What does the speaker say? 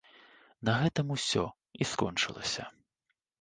На гэтым усё і скончылася.